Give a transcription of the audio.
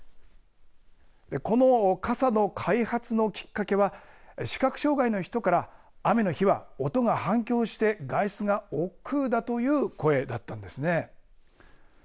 この傘の開発のきっかけは視覚障害の人から雨の日は音が反響して外出がおっくうだという声だったんですね。